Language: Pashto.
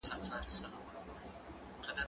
زه مخکي سينه سپين کړی و!